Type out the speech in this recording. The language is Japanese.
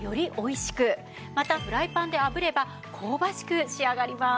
またフライパンで炙れば香ばしく仕上がります。